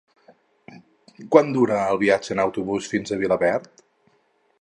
Quant dura el viatge en autobús fins a Vilaverd?